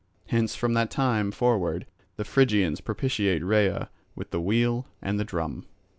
Hence from that time forward the Phrygians propitiate Rhea with the wheel and the drum.